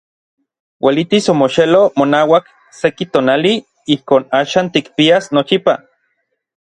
Uelitis omoxeloj monauak seki tonali ijkon axan tikpias nochipa.